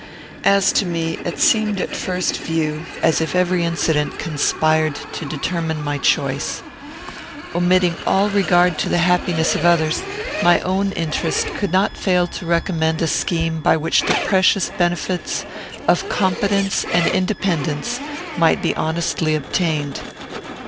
As to me, it seemed at first view as if every incident conspired to determine my choice. Omitting all regard to the happiness of others, my own interest could not fail to recommend a scheme by which the precious benefits of competence and independence might be honestly obtained.